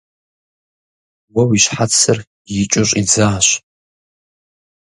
Уэ уи щхьэцыр икӏыу щӏидзащ.